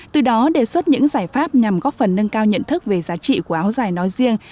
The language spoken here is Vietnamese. từ đó đề xuất những giải pháp nhằm góp phần nâng cao nhận thức về giá trị của áo dài nói riêng